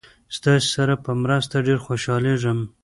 ستاسې سره په مرسته ډېر خوشحالیږم.